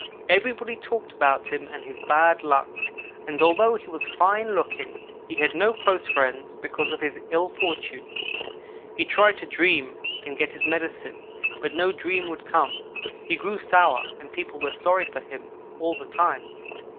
Everybody talked about him and his bad luck, and although he was fine looking, he had no close friends, because of his ill fortune. He tried to dream and get his medicine but no dream would come. He grew sour and people were sorry for him all the time.